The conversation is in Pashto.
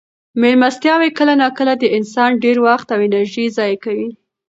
مېلمستیاوې کله ناکله د انسان ډېر وخت او انرژي ضایع کوي.